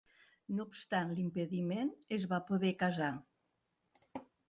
No obstant l'impediment, es va poder casar.